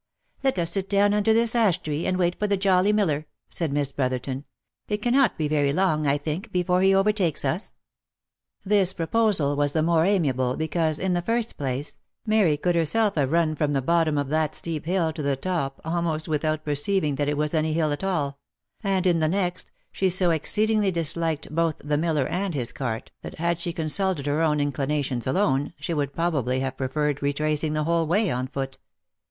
" Let us sit down under this ash tree, and wait for the jolly miller," said Miss Brotherton, " it cannot be very long, I think, before he overtakes us." This proposal was the more amiable, because, in the first place, Mary could herself have run from the bottom of that steep hill to the top, almost without perceiving that it was any hill at all ; and in the next, she so exceedingly disliked both the miller and his cart, that had she consulted her own inclinations alone, she would probably have preferred retracing the whole way on foot.